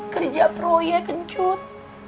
kerja proyek ncut